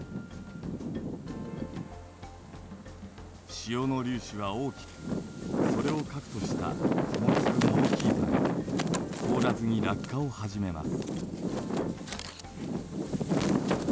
塩の粒子は大きくそれを核とした雲粒も大きいため凍らずに落下をはじめます。